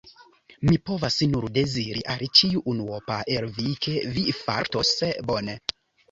Mi povas nur deziri al ĉiu unuopa el vi, ke vi fartos bone.